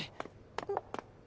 あっ。